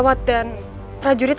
udah gak apa kalian